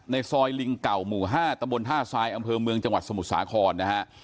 ในซอยลิงกล่าวหมู่๕ตทซอมจสมุทรสาคอนนะฮะ